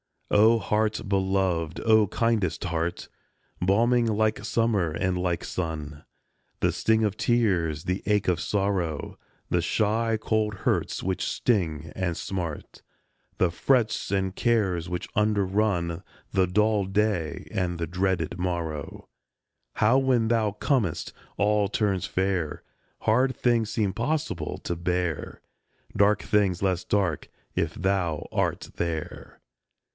O HEART beloved, O kindest heart ! Balming like summer and like sun The sting of tears, the ache of sorrow, The shy, cold hurts which sting and smart, The frets and cares which underrun The dull day and the dreaded morrow How when thou comest all turns fair, Hard things seem possible to bear; Dark things less dark, if thou art there.